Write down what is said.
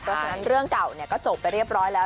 เพราะฉะนั้นเรื่องเก่าก็จบไปเรียบร้อยแล้ว